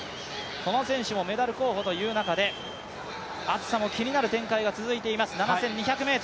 この選手もメダル候補という中で暑さも気になる展開が続いています、７２００ｍ。